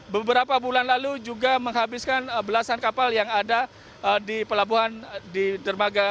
beberapa bulan lalu juga menghabiskan belasan kapal yang ada di pelabuhan di dermaga